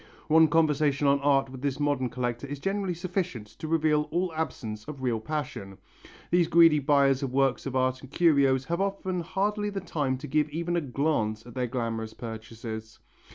One conversation on art with this modern collector is generally sufficient to reveal all absence of real passion. These greedy buyers of works of art and curios have often hardly the time to give even a glance at their glamorous purchases.